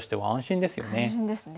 安心ですね。